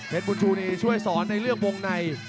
บุญชูนี่ช่วยสอนในเรื่องวงใน